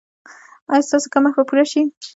ایا ستاسو کمښت به پوره شي؟